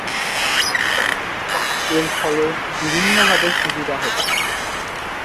এর ফলে বিভিন্নভাবে সুবিধা হতো।